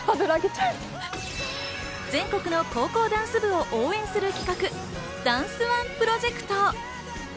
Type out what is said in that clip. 全国の高校ダンス部を応援する企画、ダンスＯＮＥプロジェクト。